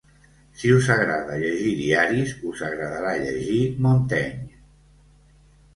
Si us agrada llegir diaris us agradarà llegir Montaigne.